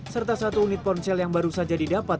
serta satu unit ponsel yang baru saja didapat